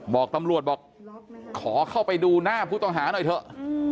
บอกตำรวจบอกขอเข้าไปดูหน้าผู้ต้องหาหน่อยเถอะ